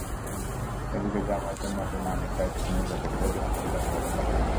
এদিকে জামায়াতের নতুন আমির দায়িত্ব নিলেও সেক্রেটারি জেনারেল পদে নির্বাচন বাকি রয়েছে।